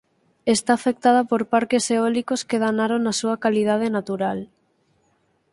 Está afectada por parques eólicos que danaron a súa calidade natural.